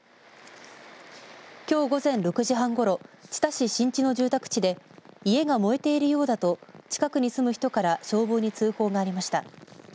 きょう午前６時半ごろ知多市新地の住宅地で家が燃えているようだと近くに住む人から消防に通報がありました。